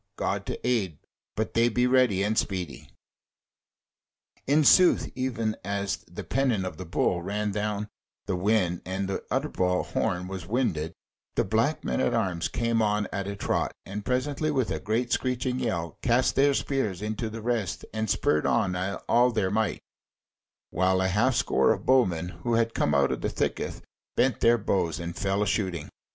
God to aid! but they be ready and speedy!" In sooth even as the pennon of the Bull ran down the wind and the Utterbol horn was winded, the Black men at arms came on at a trot, and presently with a great screeching yell cast their spears into the rest, and spurred on all they might, while a half score of bowmen who had come out of the thicket bent their bows and fell a shooting.